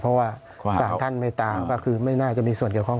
เพราะว่าสารท่านไม่ตามก็คือไม่น่าจะมีส่วนเกี่ยวข้อง